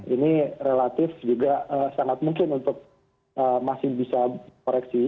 ini relatif juga sangat mungkin untuk masih bisa koreksi